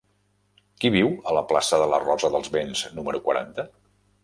Qui viu a la plaça de la Rosa dels Vents número quaranta?